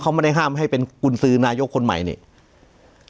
เขาไม่ได้ห้ามให้เป็นกุญสือนายกคนใหม่นี่